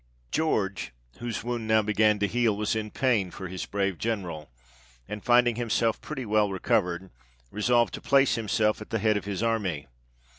George, whose wound now began to heal, was in pain for his brave General, and finding himself pretty well recovered, resolved to place himself at the head of his army.